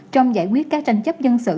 trong giải quyết các tranh chấp dân sự